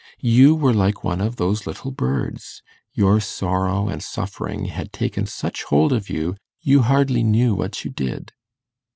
You were like one of those little birds. Your sorrow and suffering had taken such hold of you, you hardly knew what you did.